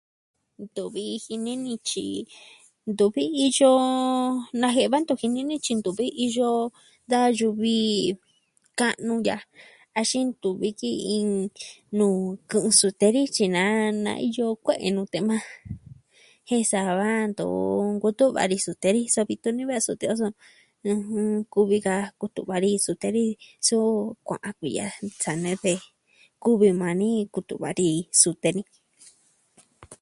Ntuvi jini ni tyi, ntuvi iyo najiee va ntu jini ni tyi ntuvi iyo da yuvi ka'nu ya'a. Axin ntuvi ki'in nuu kɨ'ɨn sute vi tyi na, na iyo kue'e nute maa jen sava ntoo nkutu'va ni sute ni so vi tuni va sute o so, ɨjɨn, kuvi ka kutu'va ni sute ni, so kua'an vi a sa nee ve. Kuvi maa ni kutu'va ni sute ni.